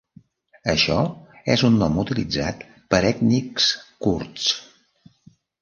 Això és un nom utilitzat per ètnics kurds.